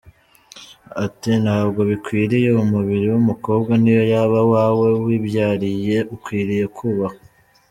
Ati “Ntabwo bikwiriye, umubiri w’umukobwa niyo yaba uwawe wibyariye ukwiriye kubahwa.